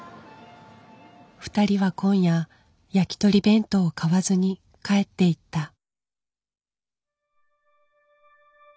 ２人は今夜やきとり弁当を買わずに帰っていった。